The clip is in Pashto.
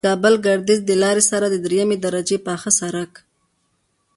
د کابل گردیز د لارې سره د دریمې درجې پاخه سرک